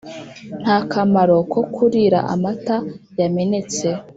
nta kamaro ko kurira amata yamenetse.